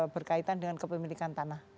berkaitan dengan kepemilikan tanah